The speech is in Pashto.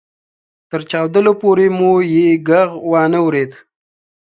تر چاودلو پورې مو يې ږغ وانه اورېد.